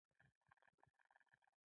یو پر بل د خرڅلاو جمعه بازار لګېدلی دی.